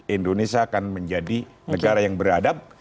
indonesia akan menjadi negara yang beradab